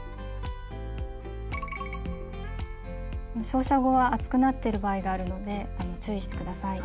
照射後は熱くなってる場合があるので注意して下さい。